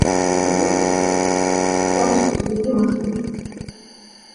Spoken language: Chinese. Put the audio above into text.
阿德尔茨豪森是德国巴伐利亚州的一个市镇。